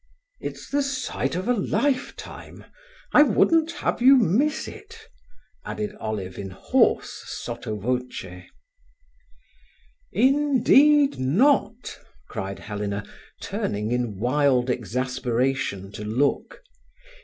"It's the sight of a lifetime. I wouldn't have you miss it," added Olive in hoarse sotto voce. "Indeed not!" cried Helena, turning in wild exasperation to look.